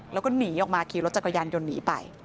แล้วก็หนีออกมาขี่รถจักรยานยนต์หนีไป